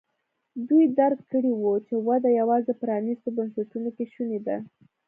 دوی درک کړې وه چې وده یوازې د پرانیستو بنسټونو کې شونې ده.